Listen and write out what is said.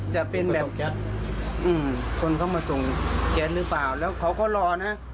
จะเป็นแบบคนเขามาส่งแกนหรือเปล่าแล้วเขาก็รอนะ